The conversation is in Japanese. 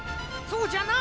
そうじゃな。